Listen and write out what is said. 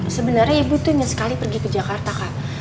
sebenarnya ibu tuh ingin sekali pergi ke jakarta kak